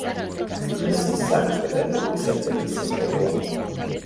დღეს, ის სანქტ-პეტერბურგის ერთ-ერთი სიმბოლოა.